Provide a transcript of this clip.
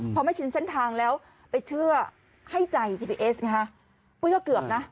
พอไม่ชินเส้นทางแล้วไปเชื่อให้ใจจีบีเอสไงฮะปุ้ยก็เกือบนะ